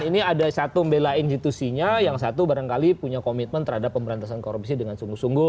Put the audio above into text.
ini ada satu membela institusinya yang satu barangkali punya komitmen terhadap pemberantasan korupsi dengan sungguh sungguh